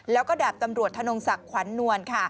แล้วก็ดาบตำรวจธนงศักดิ์ขวัญนวลค่ะ